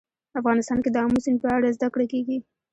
افغانستان کې د آمو سیند په اړه زده کړه کېږي.